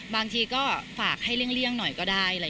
บางทีก็ฝากให้เลี่ยงหน่อยก็ได้